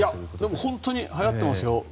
でも本当にはやってますよ。